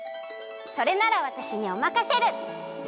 それならわたしにおまかシェル！